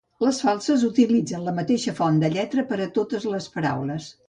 Les Falses utilitzen la mateixa font de lletra per a totes les paraules.